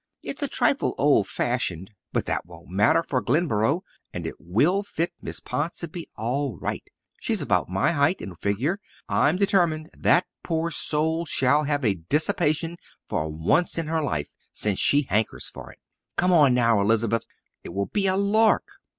It's a trifle old fashioned, but that won't matter for Glenboro, and it will fit Miss Ponsonby all right. She's about my height and figure. I'm determined that poor soul shall have a dissipation for once in her life since she hankers for it. Come on now, Elizabeth. It will be a lark."